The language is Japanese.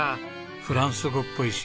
フランス語っぽいし。